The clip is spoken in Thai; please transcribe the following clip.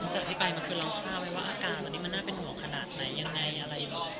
จากที่ไปมันคือเราทราบไหมว่าอาการตอนนี้มันน่าเป็นห่วงขนาดไหนยังไงอะไรอย่างนี้